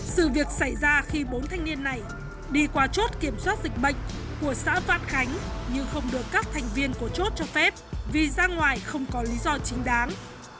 sự việc xảy ra khi bốn thanh niên này đi qua chốt kiểm soát dịch bệnh của xã văn khánh nhưng không được các thành viên của chốt cho phép vì ra ngoài không có lý do chính đáng